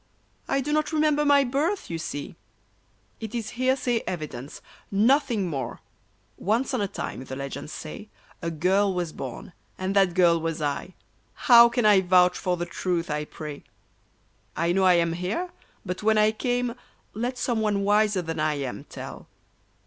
I do not remember my birth, you see ! It is hearsay evidence — nothing more ! Once on a time, the legends say, A girl was born — and that girl was I. How can I vouch for the truth, I pray ? I know I am here, but when I came Let some one wiser than I am tell